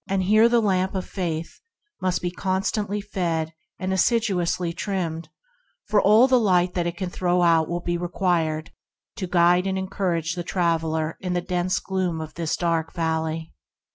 Here the lamp of faith must be con stantly fed and assiduously trimmed, for all the light it can radiate will be required to guide and encourage the traveller in the dense gloom of this dark Valley.